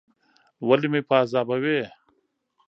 ولي مې په عذابوې ؟